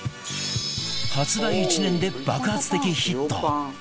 発売１年で爆発的ヒット